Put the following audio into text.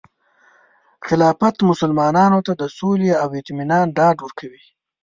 خلافت مسلمانانو ته د سولې او اطمینان ډاډ ورکوي.